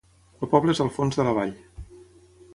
El poble és al fons de la vall.